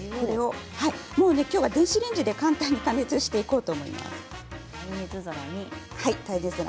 きょうは電子レンジで簡単に加熱していこうと思います。